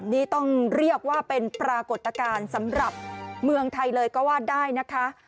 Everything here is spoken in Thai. นี่ต้องเรียกว่าเป็นปรากฏการณ์สำหรับเมืองไทยเลยก็ว่าได้นะคะ